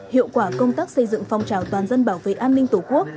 hiệu quả công tác xây dựng phong trào toàn dân bảo vệ an ninh tổ quốc